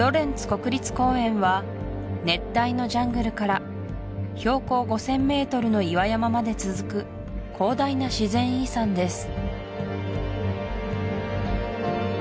国立公園は熱帯のジャングルから標高５０００ｍの岩山まで続く広大な自然遺産です